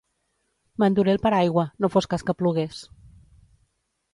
M'enduré el paraigua, no fos cas que plogués.